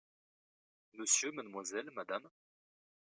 M…/Mlle…/Mme…